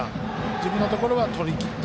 自分のところは取りきった。